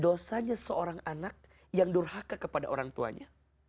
dosa nya seorang anak yang durhaka kepada orang tuanya